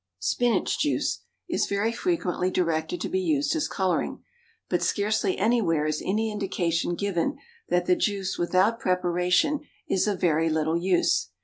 Spinach Juice is very frequently directed to be used as coloring, but scarcely anywhere is any indication given that the juice without preparation is of very little use.